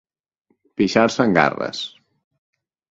Pixar-se en garres.